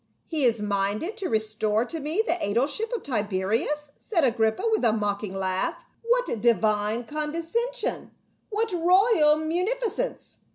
" He is minded to restore to me the aedileship of Tiberias?" said Agrippa with a mocking laugh. "What divine condescension ! What royal munificence